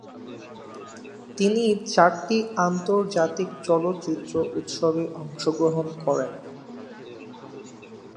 তিনি চারটি আন্তর্জাতিক চলচ্চিত্র উৎসবে অংশগ্রহণ করেন।